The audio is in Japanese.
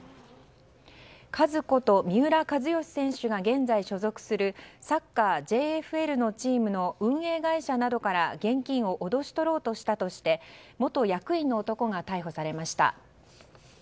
カズこと三浦知良選手が現在所属するサッカーＪＦＬのチームの運営会社などから現金を脅し取ろうとしたとして元役員の男が逮捕されました。